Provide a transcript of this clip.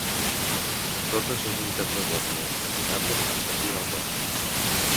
Totes les unitats de guàrdia a Escandinàvia fan servir el rang.